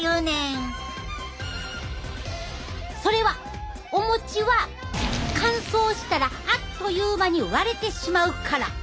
それはお餅は乾燥したらあっという間に割れてしまうから。